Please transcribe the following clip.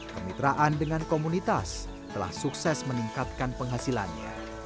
kemitraan dengan komunitas telah sukses meningkatkan penghasilannya